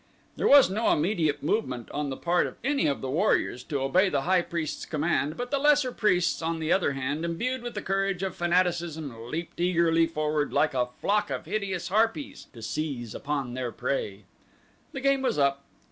There was no immediate movement on the part of any of the warriors to obey the high priest's command, but the lesser priests on the other hand, imbued with the courage of fanaticism leaped eagerly forward like a flock of hideous harpies to seize upon their prey. The game was up.